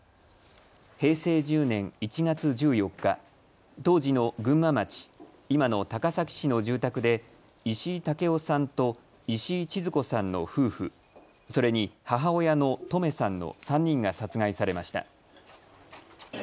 平成１０年１月１４日、当時の群馬町、今の高崎市の住宅で石井武夫さんと石井千津子さんの夫婦、それに母親のトメさんの３人が殺害されました。